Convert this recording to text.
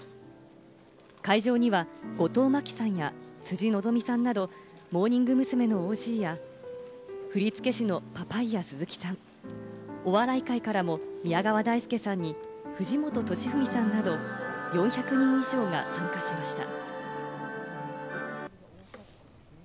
会場には後藤真希さんや辻希美さんなどモーニング娘。のＯＧや振付師のパパイヤ鈴木さん、お笑い界からも宮川大輔さんに藤本敏史さんなど４００人以上が参加しました。